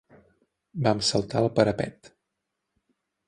Vam saltar el parapet.